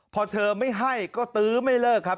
พอเธอไม่ให้ก็ตื้อไม่เลิกครับ